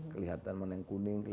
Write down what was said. kelihatan mana yang kuning